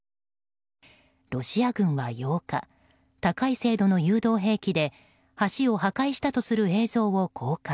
ロシア軍は８日高い精度の誘導兵器で橋を破壊したとする映像を公開。